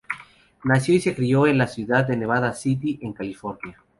Nació y se crio en la ciudad de Nevada City, en California.